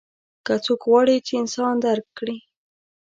که څوک غواړي چې انسان درک کړي.